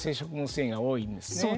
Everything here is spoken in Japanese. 繊維が多いんですね。